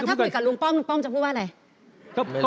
ถ้าคุยกับลุงป้อมลุงป้อมจะพูดว่าอะไร